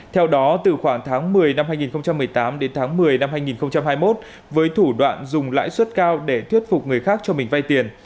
theo đó từ khoảng tháng một mươi năm hai nghìn một mươi tám đến tháng một mươi năm hai nghìn hai mươi một với thủ đoạn dùng lãi suất cao để thuyết phục người khác cho mình vay tiền